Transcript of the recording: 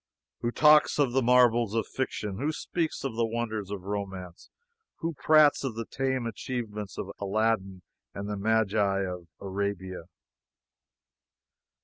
Who talks of the marvels of fiction? Who speaks of the wonders of romance? Who prates of the tame achievements of Aladdin and the Magii of Arabia?